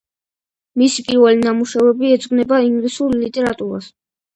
მისი პირველი ნამუშევრები ეძღვნება ინგლისურ ლიტერატურას.